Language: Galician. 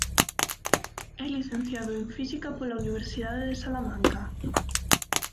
É Licenciado en Física pola Universidade de Salamanca.